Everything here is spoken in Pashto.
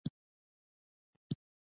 مارګریت فو لیر وایي لوستل رهبران جوړوي.